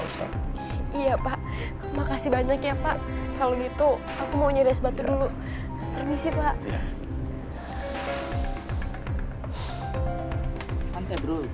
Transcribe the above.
iya pak makasih banyak ya pak kalau gitu aku mau nyades batur dulu permisi pak